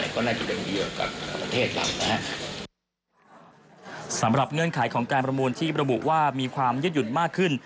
ก็น่าจะดังเดียวกับประเทศเรานะฮะสำหรับเงื่อนไขของการประมูลที่ระบุว่ามีความยืดหยุ่นมากขึ้น